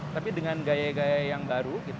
tapi dengan gaya gaya yang baru